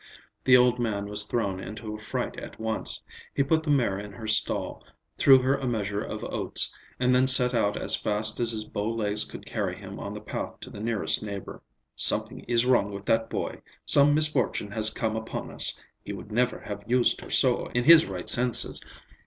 The old man was thrown into a fright at once. He put the mare in her stall, threw her a measure of oats, and then set out as fast as his bow legs could carry him on the path to the nearest neighbor. "Something is wrong with that boy. Some misfortune has come upon us. He would never have used her so, in his right senses.